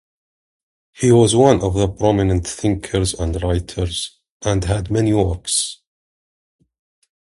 He was one of the prominent thinkers and writers and had many works.